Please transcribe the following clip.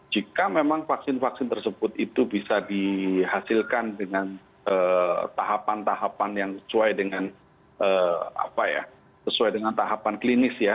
jika memang vaksin vaksin tersebut itu bisa dihasilkan dengan tahapan tahapan yang sesuai dengan sesuai dengan tahapan klinis ya